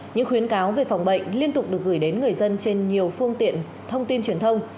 những khuyến cáo về phòng bệnh liên tục được gửi đến người dân trên nhiều phương tiện thông tin truyền thông